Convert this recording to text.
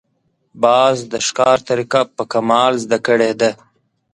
باز د ښکار طریقه په کمال زده کړې ده